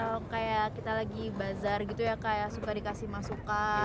kalau kayak kita lagi bazar gitu ya kayak suka dikasih masukan